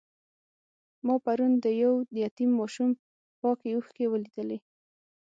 ما پرون د یو یتیم ماشوم پاکې اوښکې ولیدلې.